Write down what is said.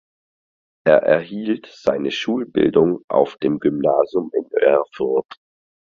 Er erhielt seine Schulbildung auf dem Gymnasium in Erfurt.